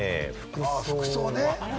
服装ね。